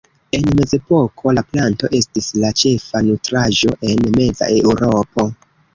En mezepoko la planto estis la ĉefa nutraĵo en meza Eŭropo.